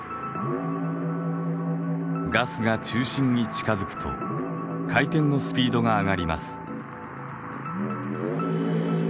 ガスが中心に近づくと回転のスピードが上がります。